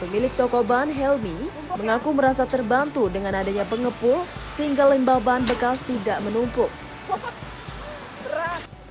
pemilik toko ban helmi mengaku merasa terbantu dengan adanya pengepul sehingga limbah ban bekas tidak menumpuk